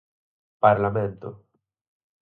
Parlamento.